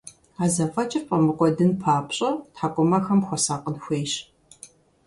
А зэфӀэкӀыр пфӀэмыкӀуэдын папщӀэ, тхьэкӀумэхэм хуэсакъын хуейщ.